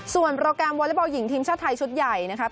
ส่วนโปรแกรมวอเล็กบอลหญิงทีมชาติไทยชุดใหญ่นะครับ